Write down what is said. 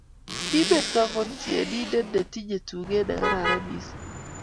Kimeto ko tyenindet ne tinyei tuget ne kararan mising'